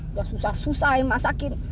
udah susah susah yang masakin